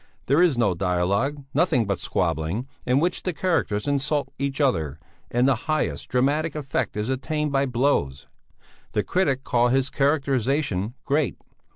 There is no dialogue, nothing but squabbling, in which the characters insult each other, and the highest dramatic effect is attained by blows. The critics call his characterisation great.